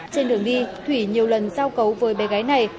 trên đường đi thủy nhiều lần giao cấu với bé gái này